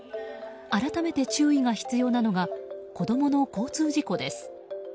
改めて注意が必要なのが子供の交通事故です。